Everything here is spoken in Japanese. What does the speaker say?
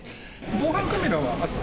防犯カメラはあって？